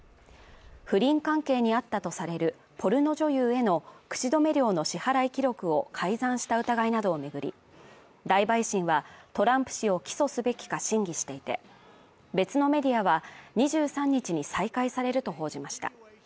不倫関係にあったとされるポルノ女優への口止め料の支払い記録を改ざんした疑いなどを巡り、大陪審はトランプ氏を起訴すべきか審議していて、別のメディアは２３日に再開されると報じました。